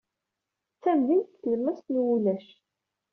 D tamdint deg tlemmast n wulac.